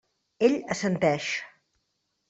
Ell assenteix.